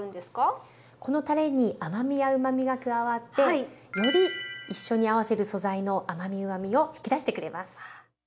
このたれに甘みやうまみが加わってより一緒に合わせる素材の甘みうまみを引き出してくれます。